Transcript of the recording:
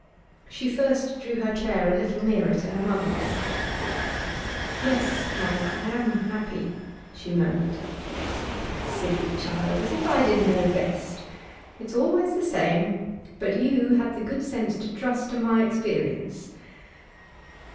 She first drew her chair a little nearer to her mother. 'Yes, mother, I am happy,' she murmured. 'Silly child! As if I didn't know best. It's always the same, but you had the good sense to trust to my experience.